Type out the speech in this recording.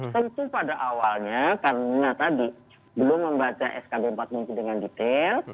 tentu pada awalnya karena tadi belum membaca skb empat menteri dengan detail